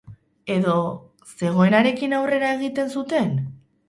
Edo, zegoenarekin aurrera egiten zuten?